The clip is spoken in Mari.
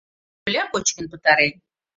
Коля кочкын пытарен.